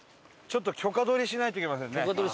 ちょっと許可取りしないといけませんね。